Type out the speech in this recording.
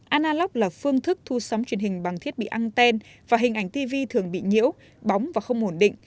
analog là phương thức thu sóng truyền hình bằng thiết bị anten và hình ảnh tv thường bị nhiễu bóng và không ổn định